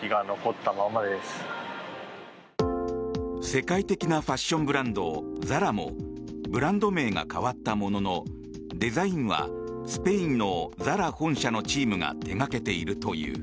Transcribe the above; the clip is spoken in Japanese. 世界的なファッションブランドＺＡＲＡもブランド名が変わったもののデザインは、スペインのＺＡＲＡ本社のチームが手がけているという。